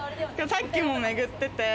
さっきもめぐってて。